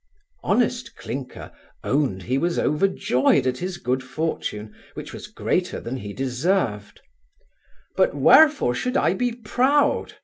Honest Clinker owned he was overjoyed at his good fortune, which was greater than he deserved 'But wherefore should I be proud?